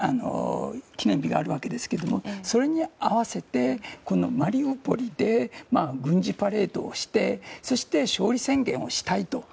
記念日があるわけですけどそれに合わせてマリウポリで軍事パレードをしてそして勝利宣言をしたいと。